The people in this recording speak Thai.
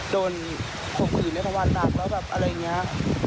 โดนผงอื่นในภาวน์ดับแล้วแบบอะไรอย่างนี้